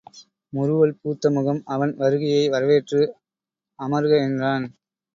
முறுவல் பூத்த முகம் அவன் வருகையை வரவேற்று அமர்க என்றான்.